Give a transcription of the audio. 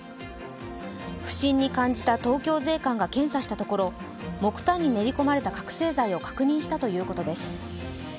不審に感じた東京税関が検査したところ木炭に練り込まれた覚醒剤を確認したということです。